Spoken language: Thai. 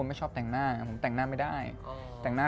ตอนแรกยาวกว่านี้แล้วเพิ่งตัดได้๒อาทิตย์มั้งค่ะ